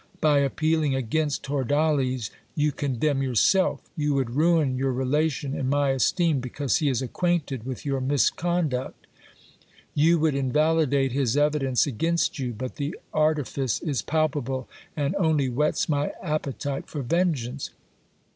By appealing against Hordales, you condemn yourself. You would ruin your relation in my esteem, because he is acquainted with your misconduct. You would invalidate his evidence against you ; but the artifice is palpable, and only whets my appetite for vengeance.